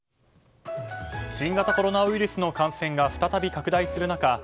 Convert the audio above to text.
新型コロナウイルスの感染が再び拡大する中